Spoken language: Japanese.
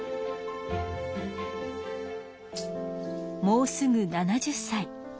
もうすぐ７０さい。